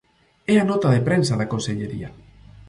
É a nota de prensa da consellería.